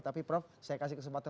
tapi prof saya kasih kesempatan